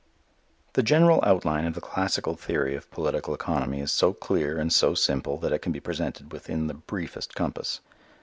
The general outline of the classical theory of political economy is so clear and so simple that it can be presented within the briefest compass.